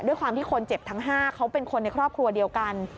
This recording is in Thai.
ด้วยความที่คนเจ็บทั้ง๕เขาเป็นคนในครอบครัวเดียวกัน